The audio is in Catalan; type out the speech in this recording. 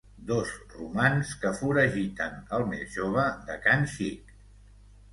Dos romans que foragiten el més jove de Can Xic.